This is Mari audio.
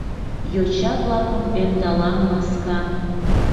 Йоча-влакым ӧндалам ласкан.